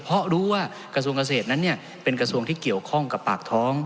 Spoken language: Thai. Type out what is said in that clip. เพราะรู้ว่ากระทรวงเกษตรนั้นเป็นกระทรวงที่เกี่ยวข้องกับปากท้อง